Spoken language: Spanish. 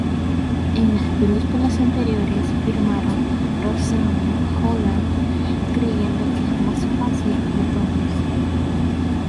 En las películas anteriores firmaron Rosanne Holland, creyendo que es más fácil de pronunciar.